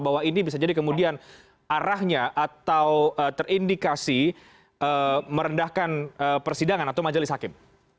bahwa ini bisa jadi kemudian arahnya atau terindikasi merendahkan persidangan atau majelis hakim